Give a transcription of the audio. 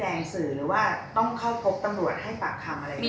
อันนี้ผมไม่แน่ใจนะครับ